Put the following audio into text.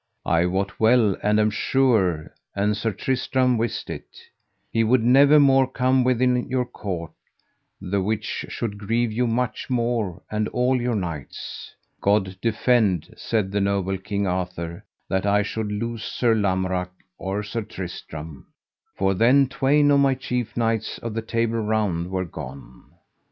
I wot well and am sure, an Sir Tristram wist it, he would never more come within your court, the which should grieve you much more and all your knights. God defend, said the noble King Arthur, that I should lose Sir Lamorak or Sir Tristram, for then twain of my chief knights of the Table Round were gone.